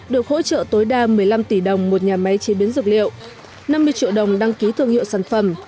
được hỗ trợ tối đa một mươi năm tỷ đồng một nhà máy chế biến dược liệu năm mươi triệu đồng đăng ký thương hiệu sản phẩm